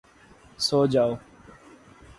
سو جاؤ!